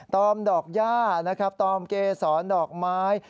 ตอมดอกย่าตอมเกษรดอกม้าย